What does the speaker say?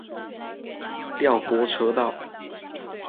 调拨车道。